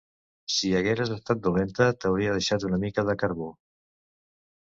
Si hagueres estat dolenta, t’hauria deixat una mica de carbó.